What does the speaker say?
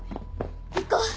行こう！